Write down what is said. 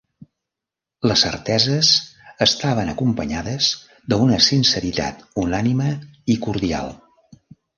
Les certeses estaven acompanyades d'una sinceritat unànime i cordial.